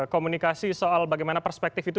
komunikasi soal bagaimana perspektif itu